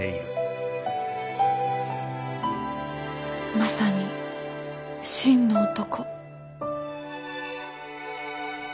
まさに真の男。